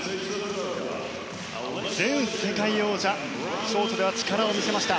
前世界王者ショートでは力を見せました。